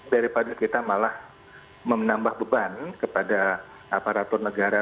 daripada kita malah menambah beban kepada aparatur negara